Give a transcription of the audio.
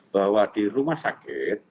bahwa di rumah sakit